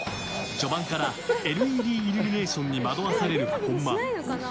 序盤からＬＥＤイルミネーションに惑わされる本間。